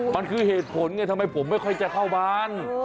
มันคือเหตุผลไงทำไมผมไม่ค่อยจะเข้าบ้าน